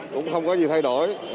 cũng không có gì thay đổi